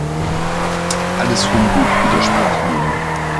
Alles Humbug, widersprach Lina.